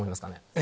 え？